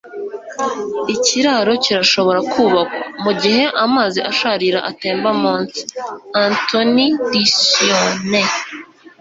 ikiraro kirashobora kubakwa, mu gihe amazi asharira atemba munsi - anthony liccione